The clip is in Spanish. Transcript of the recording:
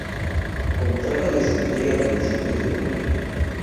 Contrajo disentería a principios de junio.